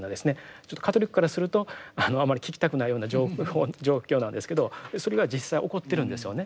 カトリックからするとあまり聞きたくないような状況なんですけどそれが実際起こってるんですよね。